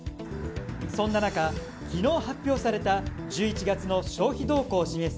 そんな中、昨日発表された１１月の消費動向を示す